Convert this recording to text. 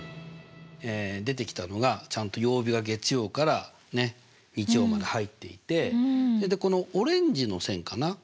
出てきたのがちゃんと曜日が月曜から日曜まで入っていてでこのオレンジの線かな？